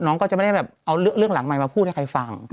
น้องก็จะไม่ได้แบบเอาเรื่องหลังใหม่มาพูดให้ใครฟัง